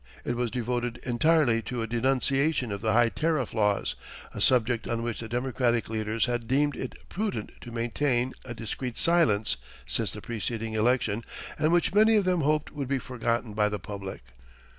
It was devoted entirely to a denunciation of the high tariff laws, a subject on which the Democratic leaders had deemed it prudent to maintain a discreet silence since the preceding election, and which many of them hoped would be forgotten by the public.